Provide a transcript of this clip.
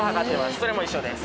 それも一緒です。